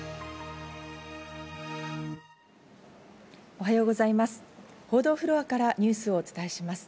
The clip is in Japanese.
おはようございます。